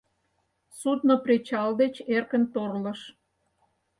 Судно причал деч эркын торлыш».